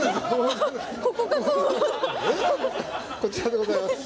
こちらでございます。